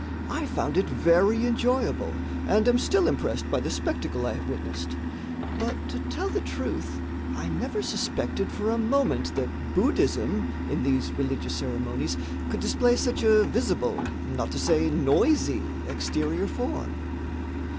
"I found it very enjoyable and am still impressed by the spectacle I have witnessed. But, to tell the truth, I never suspected for a moment that Buddhism, in these religious ceremonies, could display such a visible, not to say noisy, exterior form."